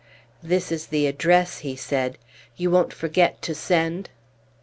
"This is the address," he said; "you won't forget to send?"